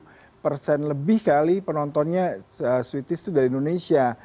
dan kemarin dua puluh lebih kali penontonnya swedish itu dari indonesia